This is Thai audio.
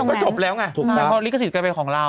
ก็จบแล้วไงนี่ก็สิทธิ์การเป็นของเรา